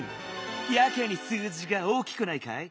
やけに数字が大きくないかい？